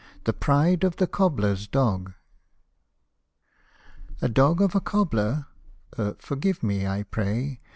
THE PRIDE OF THE COBBLER'S DOG A DOG of a cobler (forgive me I pray